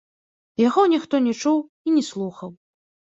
Яго ніхто не чуў і не слухаў.